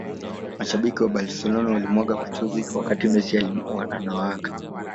Mashabiki wa barcelona walimwaga machozi wakati messi anawaaga